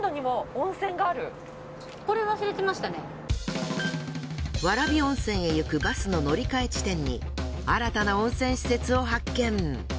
蕨温泉へ行くバスの乗り換え地点に新たな温泉施設を発見。